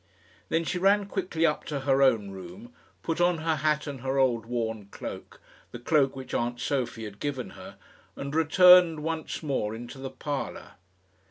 Then she ran quickly up to her own room, put on her hat and her old worn cloak the cloak which aunt Sophie had given her and returned once more into the parlour.